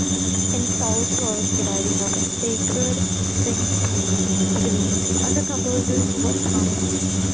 In Salzburg, dividing up a sacred singspiel between other composers was common.